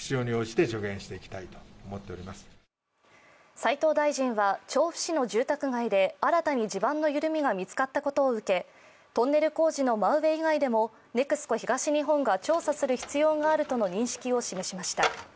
斉藤大臣は調布市の住宅街で新たに地盤の緩みが見つかったことを受けトンネル工事の真上以外でもＮＥＸＣＯ東日本が調査する必要があるとの認識を示しました。